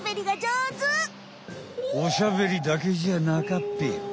おしゃべりだけじゃなかっぺよ。